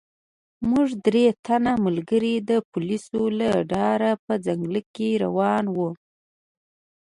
موږ درې تنه ملګري د پولیسو له ډاره په ځنګله کې روان وو.